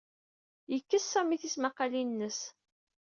Yekkes Sami tismaqalin-nnes.